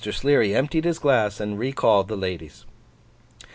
Sleary emptied his glass and recalled the ladies.